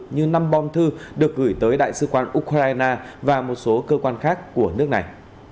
như năm bom thư được gửi tới đại sứ quan ukraine và một số cơ quan khác của nước này